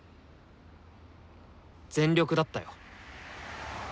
全力だったよ。